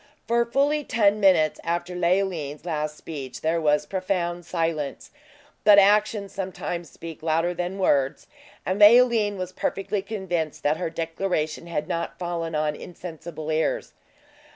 For fully ten minutes after Leoline's last speech, there was profound silence. But actions sometimes speak louder than words; and Leoline was perfectly convinced that her declaration had not fallen on insensible ears.